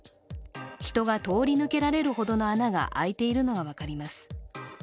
人が通り抜けられるほどの穴が開いているのが分かります。